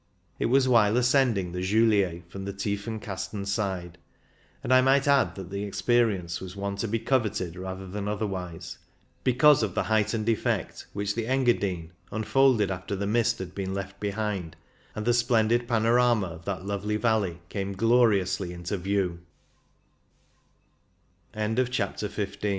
It was while ascending the Julier from the Tiefenkasten side, and I might add that the experience was one to be coveted rather than otherwise, because of the heightened effect which the Enga dine unfolded after the mist had been left behind, and the splendid panorama of that lovely vall